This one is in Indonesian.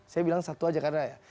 saya bilang satu aja karena ya